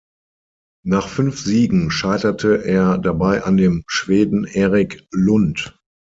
Nach fünf Siegen scheiterte er dabei an dem Schweden Erik Lund.